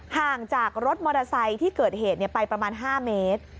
ห่างจากรถมอเตอร์ไซค์ที่เกิดเหตุไปประมาณ๕เมตร